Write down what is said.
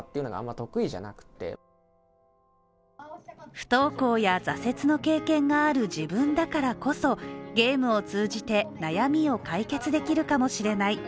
不登校や挫折の経験がある自分だからこそゲームを通じて、悩みを解決できるかもしれない。